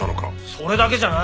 それだけじゃない！